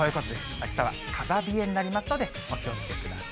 あしたは風冷えになりますので、お気をつけください。